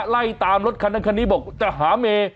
ไล่ตามรถคันนั้นคันนี้บอกจะหาเมย์